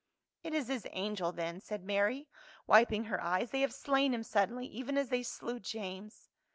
" It is his angel then," said Mary, wiping her eyes, " they have slain him suddenly, even as they slew James."